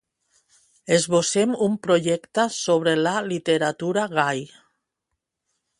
Esbossem un projecte sobre la literatura gai.